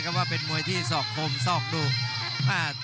กรุงฝาพัดจินด้า